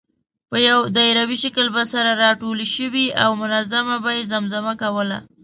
په یو دایروي شکل به سره راټولې شوې او منظومه به یې زمزمه کوله.